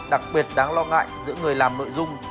đặc biệt đáng lo ngại giữa người làm nội dung